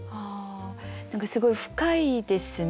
何かすごい深いですね。